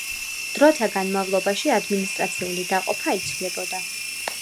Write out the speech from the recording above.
დროთა განმავლობაში ადმინისტრაციული დაყოფა იცვლებოდა.